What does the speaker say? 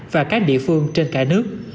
và các địa phương trên cả nước